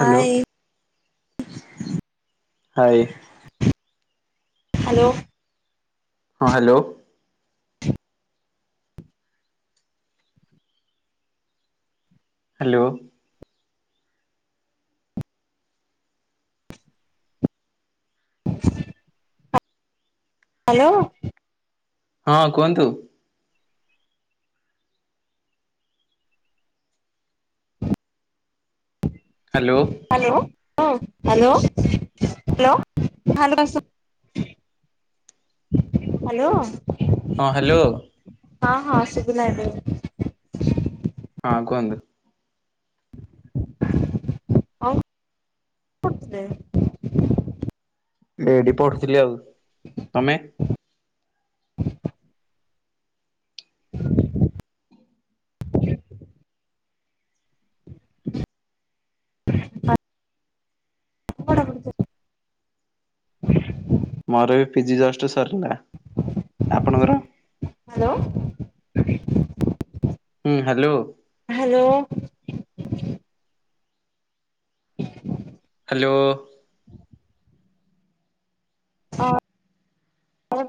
Hello hi. Hello. ହଁ hello. Hello. Hello. ହଁ କୁହନ୍ତୁ। ହାଲୋ। ହାଲୋ ହଁ ହାଲୋ ହାଲୋ ହାଲୋ ସୁ ହାଲୋ। ହଁ ହାଲୋ। ହଁ ହଁ ସୁବିଲା ଏବେ ବି। ହଁ କୁହନ୍ତୁ। ଅଂ ପୁଟ୍ ଦେ। ଏ ଡିପଟ ଥିଲି ଆଉ ତମେ? ଆ ଆପଣ କରୁ [inaudible] ମୋର ଏବେ ପିଜି ଜଷ୍ଟ ସରିଲା ଆପଣଙ୍କର? ହାଲୋ। ହୁଁ ହାଲୋ। ହାଲୋ। ହ ହାଲୋ। ଅ ଅ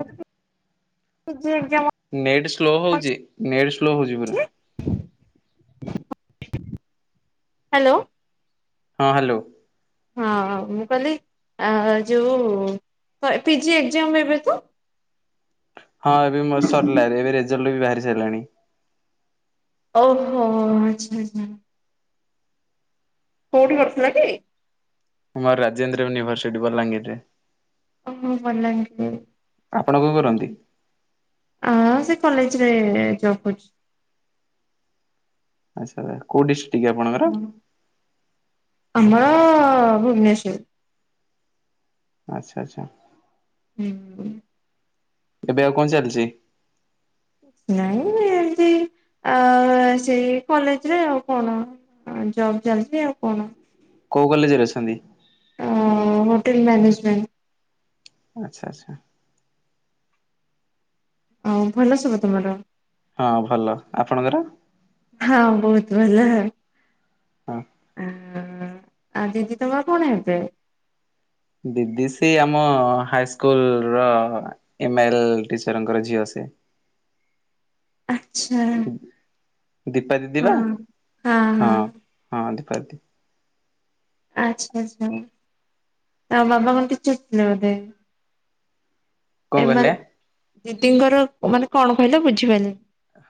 ପିଜି ଏଯାମ। ନେଟ୍ ସ୍ଲୋ ହଉଚି ନେଟ୍ ସ୍ଲୋ ହଉଚି ପୁରା। ହ୍ୟାଲୋ। ହଁ ହ୍ୟାଲୋ। ହଁ ମୁଁ କହିଲି ଆ ଯୋଉ ହ ପିଜି ଏକ୍ଜାମ ଏବେ ତ? ହଁ ଏବେ ମୋ ସରିଲା ଏବେ ରେଜଲ୍ଟ ବି ବାହାରି ସାରିଲାଣି। ଓହୋ ଆଛା ଆଛା। କୋଉଠି କରିଥିଲ କି? ଆମର ରାଜେନ୍ଦ୍ର ୟୁନିଭରସିଟି ବଲାଙ୍ଗୀରରେ। ଓହୋ ବଲାଙ୍ଗୀର ଆପଣ କଣ ଓ। କରନ୍ତି? ଆଁ ସେ କଲେଜରେ ଜବ୍ କରୁଛି। ଆଚ୍ଛା କୋଉ ଡିଷ୍ଟ୍ରିକ୍ ଆପଣଙ୍କର? ଆମର ଭୁବନେଶ୍ୱର। ଆଚ୍ଛା ଆଚ୍ଛା। ହୁଁ। ଏବେ ଆଉ କଣ ଚାଲିଛି? ନାଇଁ ଏମିତି ଆ ସେଇ କଲେଜରେ ଆଉ କଣ! ଆ ଜବ ଚାଲିଛି ଆଉ କଣ। କୋଉ କଲେଜରେ ଅଛନ୍ତି? ଅ ହୋଟେଲ ମ୍ୟାନେଜମେଣ୍ଟ। ଆଚ୍ଛା ଆଚ୍ଛା। ଆଉ ଭଲ ସବୁ ତମର? ହଁ ଭଲ ଆପଣଙ୍କର? ହଁ ବହୁତ ଭଲ। ହଁ। ଆଉ ଦିଦି ତମ କଣ ହେବେ? ଦିଦି ସି ଆମ ହାଇସ୍କୁଲ ର ଏମ ଏଲ ଟିଚରଙ୍କର ଝିଅ ସେ। ଆଛା। ଦୀପା ଦି ଦିବା? ହଁ ହଁ ଦୀପା ଦିଦି। ଆଚ୍ଛା ଆଚ୍ଛା। ଆ ବାବା କଣ ଟିଚର ଥିଲେ ବୋଧେ? କଣ କହିଲେ? ଏମାନେ ଦିଦିଙ୍କର ମାନେ କଣ କହିଲ ବୁଝିପାରିଲି?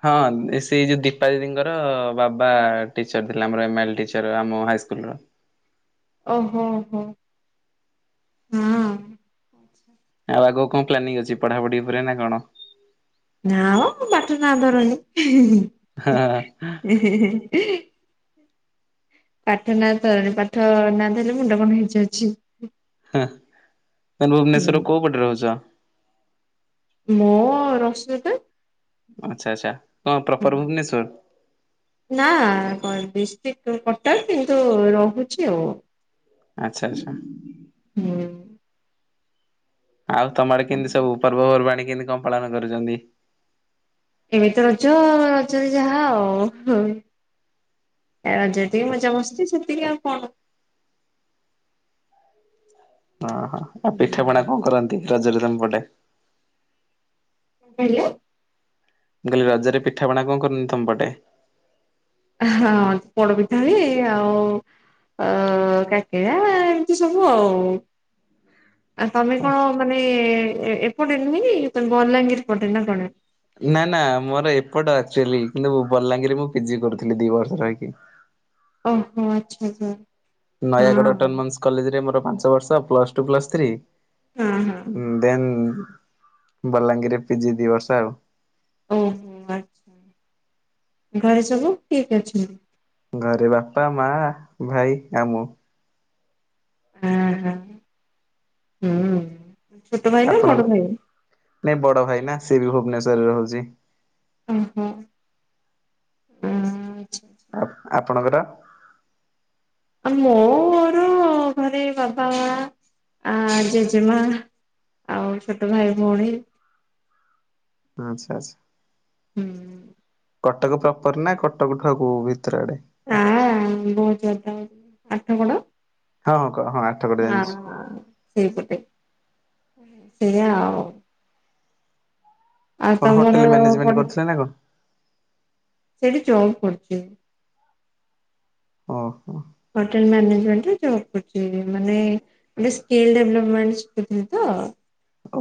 ହଁ ସେଇ ଯୋଉ ଦୀପା ଦିଦିଙ୍କର ବାବା ଟିଚର ଥିଲା ଆମର ଏମ ଆଇ ଏଲ୍ ଟିଚର ଆମ ହାଇସ୍କୁଲର। ଓହୋ ହୋ। ହଁ। ଆଉ ଆଗକୁ କଣ ପ୍ଲାନିଂ ଅଛି ପଢାପଢି ଉପରେ ନା କଣ? ନାଁମ ପାଠ ନାଁ ଧରନି ଇହି ହଁ ହିଁ ହିଁ। ପାଠ ନା ଧରନି ପାଠ ନା ଧଇଲେ ମୁଣ୍ଡ କଣ ହେଇଯାଉଛି। ହା ତ ହୁଁ। ଭୁବନେଶ୍ୱର କୋଉ ପଟେ ରହୁଛ? ମୁଁ [unintelligible] ଆଚ୍ଛା ଆଚ୍ଛା। କଣ ପ୍ରପର ଭୁବନେଶ୍ଵର? ନାଁ ଡିଷ୍ଟିକ୍ କଟକ କିନ୍ତୁ ରହୁଛି ଆଉ। ଆଚ୍ଛା ଆଚ୍ଛା। ହୁଁ। ଆଉ ତମର କେନ୍ତି ସବୁ ପର୍ବପର୍ବାଣୀ କେନ୍ତି କଣ ପାଳନ କରୁଛନ୍ତି? ଏବେ ତ ରଜ ରଜରେ ଯାହା ଆଉ। ରଜ ଟିକେ ଆଚ୍ଛା ମଜା ମସ୍ତି ସେତିକି ଆଉ କଣ! ଅ ହଁ, ଆଉ ପିଠାପଣା କଣ କରନ୍ତି ରଜରେ ତମ ପଟେ? [inaudible] ମୁଁ କହିଲି ରଜରେ ପିଠାପଣା କଣ କରନ୍ତି ତମ ପଟେ? ଅ ହଁ ପୋଡ ପିଠା ହୁଏ, ଆଉ ଅ କାକେରା ଏମ୍ତି ସବୁ ଆଉ। ଆ ତମେ କଣ ମାନେ ଏପଟେ ନୁହେଁ କି ବଲାଙ୍ଗୀର ପଟେ ନା କଣ? ନା-ନା ମୋର ଏପଟ ଆକ୍ଚୁଆଲି କିନ୍ତୁ ବଲାଙ୍ଗୀରରେ ମୁଁ ପିଜି କରୁଥିଲି ଦି ବର୍ଷ ରହିକି। ଓହୋ, ଆଚ୍ଛା-ଆଚ୍ଛା। ନୟାଗଡ଼ ଅଟୋନୋମସ୍ କଲେଜରେ ମୋର ପାଞ୍ଚ ବର୍ଷ ପ୍ଲସ୍ ଟୁ ପ୍ଲସ୍ ଥ୍ରି। ହୁଁ-ହୁଁ। ଦେନ୍ ବଲାଙ୍ଗୀରରେ ପିଜି ଦି ବର୍ଷ ଆଉ। ଓହୋ ଆଚ୍ଛା, ଘରେ ସବୁ କିଏ କିଏ ଅଛନ୍ତି? ଘରେ ବାପା, ମା, ଭାଇ ଆଉ ମୁଁ। [unintelligible] ହୁଁ ଛୋଟ ଭାଇ ନା ଆପଣ ବଡ ଭାଇ? ନାଇଁ ବଡ ଭାଇ ନା, ସିଏ ବି ଭୁବନେଶ୍ୱରରେ ରହୁଚି। ଓହୋ ହୁଁ [unintelligible] ଆଉ ଆପଣଙ୍କର? ଆଉ ମୋର ଘରେ ବାବା, ମା ଆ ଜେଜେମା ଆଉ ଛୋଟ ଭାଇ ଭଉଣୀ ଆଚ୍ଛା-ଆଚ୍ଛା। ହୁଁ। କଟକ ପ୍ରପର୍ ନା କଟକ ଠୁ [unintelligible] ଭିତରେ ଆଡେ? [unintelligible] ବହୁତ୍ ବାଟ ଆଠଗଡ ହଁ-ହଁ କ ହଁ ଆ ହଁ-ହଁ ସେଇପଟେ ସେୟା ଆଉ। ଆଉ କଣ ତମର ହୋଟେଲ୍ ମ୍ୟାନେଜମେଣ୍ଟ ପଢା କରିଥିଲେ ନା କଣ? ସେଇଠି ଜବ୍ କରୁଚି। ହଁ। ହୋଟେଲ୍ ମ୍ୟାନେଜମେଣ୍ଟରେ ଜବ୍ କରୁଚି, ମାନେ ଗୋଟେ ସ୍କିଲ୍ ଡେଭ୍ଲପମେଣ୍ଟ ସିକୁଥିଲି ତ।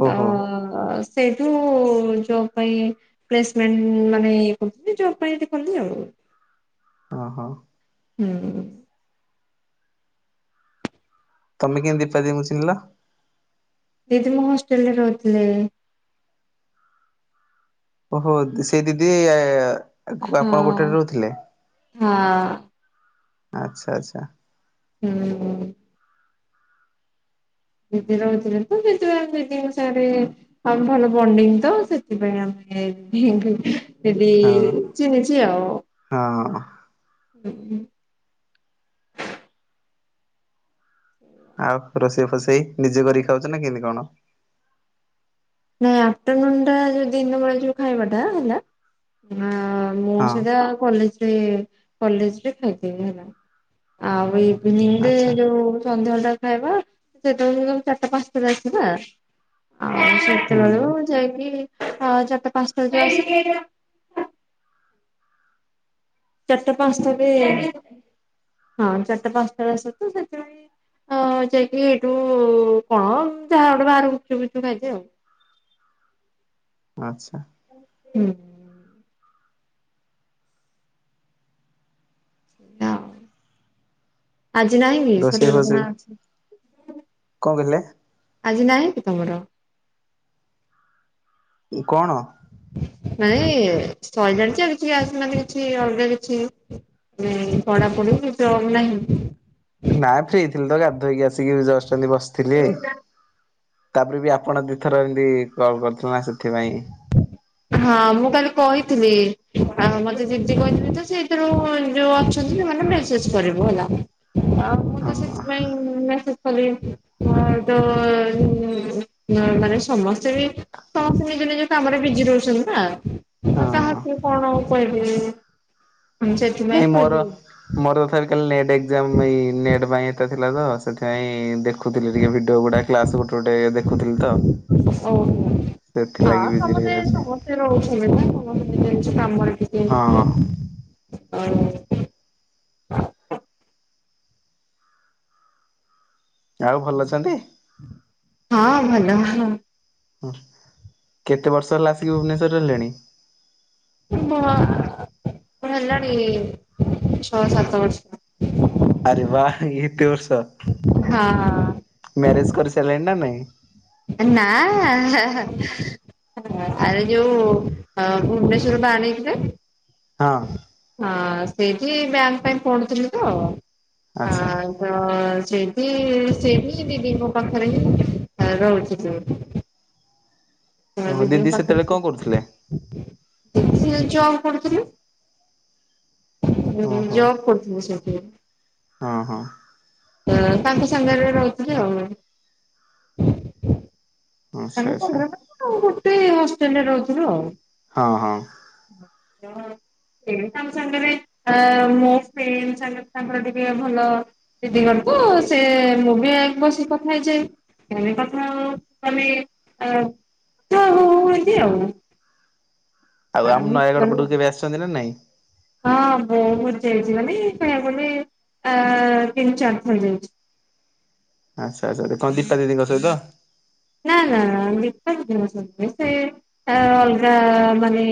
ଓହୋ। [inaudible] ସେଇଠୁ ଜବ୍ ପାଇଁ ପ୍ଲେସମେଣ୍ଟ ମାନେ ଇଏ [unintelligible] ଜବ୍ ପାଇଁ [unintelligible] କଲି ଆଉ। ଅ ହ। ହୁଁ। ତମେ କେନ୍ତି ଦୀପା ଦି ଙ୍କୁ ଚିହ୍ନୀଲ? ଦିଦି ମୋ ହଷ୍ଟେଲ୍ ରେ ରହୁଥିଲେ। ଓହୋ, ସେଇ ଦିଦି ହଁ ଆପଣ ଗୋଟେରେ ରହୁଥିଲେ। ହଁ ଆଚ୍ଛା-ଆଚ୍ଛା। ହୁଁ। ଦିଦି ରହୁଥିଲେ ତ ସେଥିପଇଁ ଆମେ ଦିଦିଙ୍କ ସାଙ୍ଗେରେ [unintelligible] ଭଲ ବଣ୍ଡିଙ୍ଗ ତ ସେଥିପାଇଁ ଆମେ ଦିଦି ହଁ ଚିନ୍ହିଚି ଆଉ। ହଁ। [unintelligible] ଆଉ ରୋଷେଇ ଫୋସେଇ, ନିଜେ କରିକି ଖାଉଚ ନା କେମିତି କଣ? ନାଇଁ ଆଫ୍ଟରନୁନ୍ ଟା ଯୋଉ ଦିନ ବେଳେ ଯୋଉ ଖାଇବାଟା ହେଲା ମୁଁ ହଁ ସେଇଟା କଲେଜରେ, କଲେଜରେ ଖାଇଦିଏ ହେଲା। ଆଉ ଇଭିନିଂରେ, ଆଚ୍ଛା ଯୋଉ ସନ୍ଧ୍ୟାବେଳଟା ଖାଇବା, ସେତେବେଳେ ଚାରିଟା ପାଞ୍ଚଟା ଆସିବା, ଆଉ ହୁଁ ଫେରିଲାବେଳୁ ଯାଇକି, ଚାରିଟା ପାଞ୍ଚଟା ହେଇଯାଉଚି। ଚାରଟା ପାଞ୍ଚଟା ରେ ହଁ, ଚାରି ଟା ପାଞ୍ଚ ଟାରେ ଆସେ ତ, ସେଥିପାଇଁ ହଁ ଯାଇକି ଏଇଠୁ କଣ, ଯାହା ଗୋଟେ ବାହାରୁ ଗୁପଚୁପ୍ ଫୁପଚୁପ୍ ଖାଇଦିଏ ଆଉ। ଆଛା। ହୁଁ। ଏଇଆ ଆଉ, ଆଜି ନାହିଁ କି, ରୋଷେଇ ସରିଗଲା କଥା ନା ଫୋଷେଇ ଅଛି? କଣ କହିଲେ? ଆଜି ନାହିଁ କି ତମର? ଇଏ କଣ? ନାଇଁ, ସଇଲାଣିଯେ, କିଛି [unintelligible] କିଛି ଅଲଗା କିଛି [unintelligible] ପଢାପଢି [unintelligible] ନାହିଁ। ନା ଫ୍ରି ଥିଲି ତ, ଗାଧୋଇକି ଆସିକି ଏବେ ଜଷ୍ଟ ଏମିତି ବସିଥିଲି ତାପରେ ବି ଆପଣ ଦୁଇ ଥର ଏମିତି କଲ୍ କରିଥିଲେ ନା ସେଥିପାଇଁ [unintelligible] ହଁ ମୁଁ କାଲି କହିଥିଲି, ଆଉ ମତେ ଦିଦି କହିଥିଲେ ତ, ସେ ଏଥିରୁ ଯୋଉ ଅଛନ୍ତି ସେମାନେ ମେ ସେଜ୍ କରିବୁ ହେଲା, ଆଉ ମୁଁ ତ ହଁ ସେଥିପାଇଁ ମେସେଜ୍ କଲି, ତ ମାନେ ସମସ୍ତେ ବି ସମସ୍ତେ ନିଜ ନିଜ କାମରେ ବିଜି ରହୁଚନ୍ତି ନା ଆଉ ହଁ। କାହାକୁ କଣ କହିବି? ସେଥିପାଇଁ ନାଇଁ ମୋର, କହିଲି ମୋର ତଥାପି କାଲି ନେଟ୍ ଏକ୍ଜାମ ପାଇଁ ନେଟ୍ ପାଇଁ ଏତେ ଥିଲା ତ, ସେଥିପାଇଁ ଦେଖୁଥିଲି ଟିକେ ଭିଡିଓ ଗୁଡା କ୍ଲାସ ଗୋଟେ ଗୋଟେ ଦେଖୁଥିଲି ତ ଓ ହଁ, ସେଥିଲାଗି ବିଜି ସମସ୍ତେ, ରହିଯାଉଛି। ସମସ୍ତେ ରହୁଚନ୍ତି ନା, ସମସ୍ତେ ନିଜ ନିଜ କାମରେ ଟିକେ ହଁ [unintelligible] ଆଉ ଭଲ ଅଛନ୍ତି? ହଁ ଭଲ। ହୁଁ, କେତେ ବର୍ଷ ହେଲା ଆସିକି ଭୁବନେଶ୍ୱରରେ ରହିଲେଣି? ମ ହେଲାଣି ଛଅ ସାତ ବର୍ଷ। ଆରେ ୱା, ଏତେ ବର୍ଷ, ହଁ ମ୍ୟାରେଜ କରିସାଇଲେଣି ନା ନାଇଁ? ନା ନା। ଆରେ ଯୋଉ ଭୁବନେଶ୍ଵର [unintelligible] ହଁ। ହଁ ସେଇଠି ବ୍ୟାଙ୍କ ପାଇଁ ପଢୁଥିଲି ତ ଆଛା। ତ ସେଇଠି, ସେଇଠି ଦିଦିଙ୍କ ପାଖରେ ହିଁ ରହୁଚି ତ। ଓହୋ ଦିଦିଙ୍କ ଦିଦି ପାଖରେ ସେତେବେଳେ ସେ, କଣ କରୁଥିଲେ? [unintelligible] ଜବ୍ କରୁଥିଲି। ଓହୋ ଜବ୍ କରୁଥିଲି ସେଠି। ହଁ ହଁ। ତ, ତାଙ୍କ ସାଙ୍ଗରେ ରହୁଥିଲି ଆଉ। ଆଚ୍ଛା ତାଙ୍କୁ ଆଚ୍ଛା [unintelligible] ଆଉ ଗୋଟେ ହଷ୍ଟେଲରେ ରହୁଥୁଲୁ ଆଉ। ହଁ ହଁ। [unintelligible] ଏ ତାଙ୍କ ସାଙ୍ଗେରେ ଏ ମୋ ଫ୍ରେଣ୍ଡ୍ ସାଙ୍ଗେରେ ତାଙ୍କର ଟିକିଏ ଭଲ। ଦିଦିଘର କୁ ସେ ମୁଁ ବି ବସିକି କଥା ହେଇଯାଏ। ଏମିତି କଥା ହଉ ହଉ ତମେ ଅ ଯୋଉ ହଉ ହଉ ହେଇଚି ଆଉ। ଆଉ ଆମ୍ ନୟାଗଡ଼ ମିଶିଗଲୁ ପଟକୁ କେବେ ଆସିଛନ୍ତି ନା ନାଇଁ? ହଁ ବହୁତ୍ ଯାଇଚି ମାନେ କିଣିଆକୁ ଗଲି ଆ ତିନି ଚାରିଥର ଯାଇଛି। ଆଚ୍ଛା ଆଚ୍ଛା କଣ ଦୀପା ଦିଦିଙ୍କ ସହିତ? ନା ନା ଦୀପା ଦିଦିଙ୍କ ସହିତ ନୁହେଁ ସେ ଆଁ ଅଲଗା ମାନେ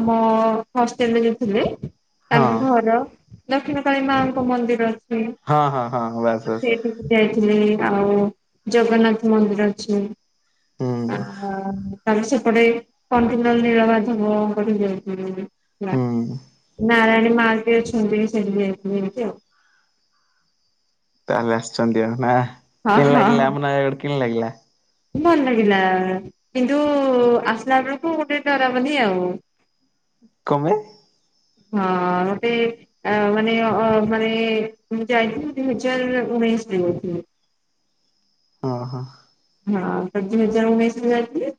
ଆମ ହଷ୍ଟେଲରେ ଯୋଉ ଥିଲେ ତାଙ୍କ ହଁ ଘର ଦକ୍ଷିଣ କାଳୀ ମାଙ୍କ ମନ୍ଦିର ଅଛି ହଁ ହଁ ହଁ ବାସ୍ ବାସ୍। ସେଇଠିକି ଯାଇଥିଲି କାମକୁ ଜଗନ୍ନାଥ ମନ୍ଦିର ଅଛି। ହୁଁ ଓହୋ। ତାଙ୍କ ସେପଟେ କଣ୍ଟିଲୋ ନୀଳ ମାଧବଙ୍କ ଠିକି ଯାଇଥିଲୁ ବୁଲି। ମା ହୁଁ ନାରାୟଣୀ ମା ବି ଅଛନ୍ତି ସେଠିକି ଯାଇଥିଲି ସେମିତି ଆଉ। ତାହାଲେ ଆସିଛନ୍ତି ଆଉ ନା ହଁ କିମତି ଲାଗିଲା ଆମ ନୟାଗଡ଼ କିମତି ଲାଗିଲା? ଭଲ୍ ଲାଗିଲା କିନ୍ତୁ ଆସିଲା ବେଳକୁ ଗୋଟେ ଡରାବନି ଆଉ। କମୋ ହଁ ମତେ ଆ ମାନେ ଅ ମାନେ ମୁଁ ଯାଇଥିଲି ଦି ହଜାର ଉଣେଇଶ୍ ଟି [unintelligible] ବଳକୁ ଉ ଅହ ହଁ [unintelligible] ଦୁଇ ହଜାର ଉଣେଇଶରେ ଯାଇଥିଲି।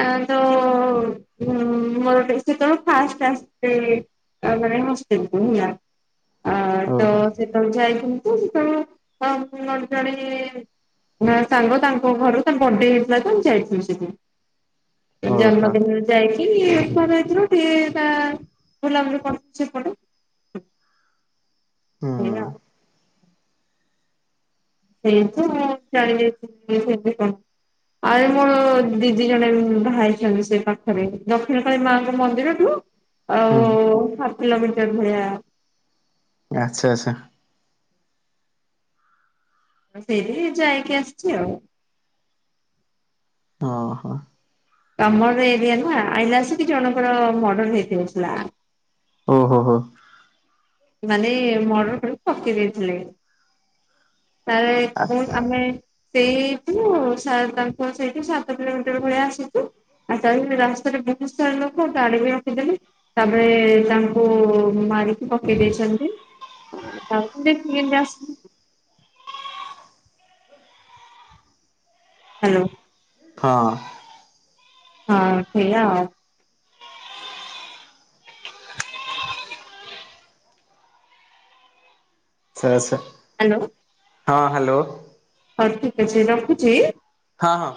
ଆଁ ତ ଉମ୍ ମୋର ଗୋଟେ ଆସଚି ଏତବେଳକୁ ଫାଷ୍ଟ୍ ଆସିଥିଲି। ଆ [unintelligible] ଆ ତ ଓହୋ। ସେତବେଳେ ଯାଇଥିଲି ଯେ ସେତବେଳୁ [unintelligible] ନାଏ ସାଙ୍ଗ ତାଙ୍କ ଘରୁ ତାଙ୍କ [unintelligible] ହେଇଥିଲା ତ ମୁଁ ଯାଇଥିଲି ସେଇଥିପାଇଁ ଓହୋ [unintelligible] ଯାଇକି ଉପ [unintelligible] ଯାଇଥିଲୁ ଟିଏ ତା ବୁଲାବୁଲି କରି ସେଇପଟୁ ହୁଁ ସେଇଆ।। ସେଇଠୁ ମୁଁ ଚାଲି ଯାଇଥିଲି ସେଇଠି ଏବେ କଣ? ଆରେ ମୋର ଦିଦି ଜଣେ ଏବେ ବାହା ହେଇଛନ୍ତି ସେ ପାଖରେ ଦକ୍ଷିଣକାଳୀ ମାଆଙ୍କ ମନ୍ଦିରଠୁ ଆଉ ହୁଁ ହାପ୍ କିଲୋମିଟର୍ ଭଳିଆ ଆଚ୍ଛା ଆଚ୍ଛା। ସେଇଠିକି ଯାଇକି ଆସଛି ଆଉ ଅହ ତମର ଏରିଆ ନା ଆଇଲାସି କି ଜଣଙ୍କର ମଡ଼ର ହେଇ [unintelligible] ଥିଲା। ଓ ହୋ ହୋ। ମାନେ ମର୍ଡର୍ କରିକି ପକେଇ ଦେଇଥିଲେ ତାରେ ଆଚ୍ଛା। ପୁଣ୍ ଆମେ ସେଇଠୁ ସାର୍ ତାଙ୍କ ସେଇଠୁ ସାତ କିଲୋମିଟର ଭଳିଆ ଆସିଚୁ। ଆଉ ତା [unintelligible] ରାସ୍ତାରେ ବହୁତ୍ ସାରା ଲୋକ ଗାଡି ବି ରଖିଦେଲେ। ତାପରେ ତାଙ୍କୁ ମାରିକି ପକ୍ କେଇ ଦେଇଛନ୍ତି ତାଙ୍କୁ [unintelligible] ହାଲୋ। ହଁ। ହଁ ସେଇଆ ଆଉ। ସେ ସେ। [unintelligible] ହାଲୋ। ହଁ ହାଲୋ। ହଉ ଠିକ ଅଛି ରଖୁଚି? ହଁ ହଁ।